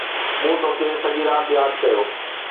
مون توکي سڄي رات ياد ڪيو